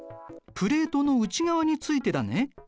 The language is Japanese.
プレートの内側についてだね。